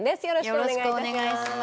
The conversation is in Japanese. よろしくお願いします